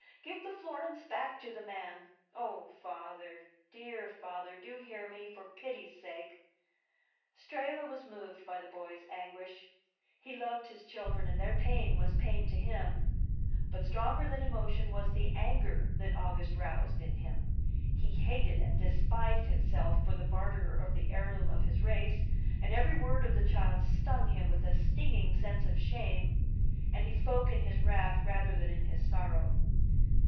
Give the florins back to the man. Oh, father, dear father ! do hear me, for pity's sake !" Strehla was moved by the boy's anguish. He loved his children, and their pain was pain to him. But stronger than emotion, was the anger that August roused in him: he hated and despised himself for the barter of the heirloom of his race, and every word of the child stung him with a stinging sense of shame. And he spoke in his wrath rather than in his sorrow.